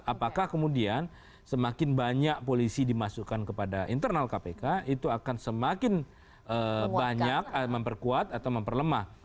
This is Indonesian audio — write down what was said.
apakah kemudian semakin banyak polisi dimasukkan kepada internal kpk itu akan semakin banyak memperkuat atau memperlemah